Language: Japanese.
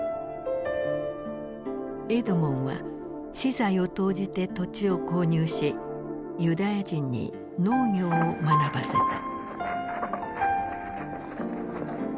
エドモンは私財を投じて土地を購入しユダヤ人に農業を学ばせた。